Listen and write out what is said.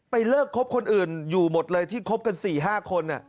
เลิกคบคนอื่นอยู่หมดเลยที่คบกัน๔๕คน